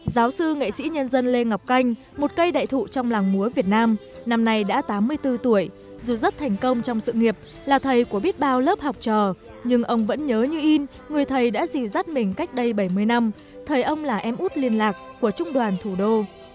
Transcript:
giáo sư nghệ sĩ nhân dân lê ngọc canh một cây đại thụ trong làng múa việt nam năm nay đã tám mươi bốn tuổi dù rất thành công trong sự nghiệp là thầy của biết bao lớp học trò nhưng ông vẫn nhớ như in người thầy đã dì dắt mình cách đây bảy mươi năm thời ông là em út liên lạc của trung đoàn thủ đô